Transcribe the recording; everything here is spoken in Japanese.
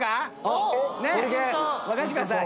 任せてください。